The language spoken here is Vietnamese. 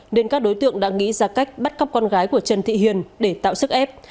nên các đối tượng đã nghĩ ra cách bắt cóc con gái của trần thị hiền để tạo sức ép